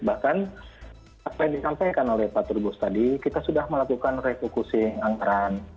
bahkan apa yang disampaikan oleh pak turbus tadi kita sudah melakukan refocusing anggaran